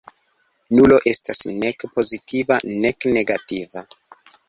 Nulo estas nek pozitiva nek negativa.